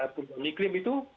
pembahasan iklim itu